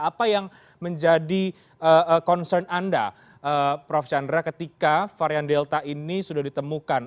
apa yang menjadi concern anda prof chandra ketika varian delta ini sudah ditemukan